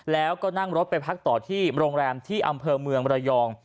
แล้วก็นั่งรถไปพักต่อที่โรงแรมที่อำเภอเมืองระยอง